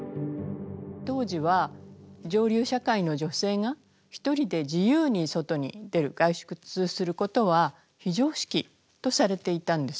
当時は上流社会の女性が一人で自由に外に出る外出することは非常識とされていたんです。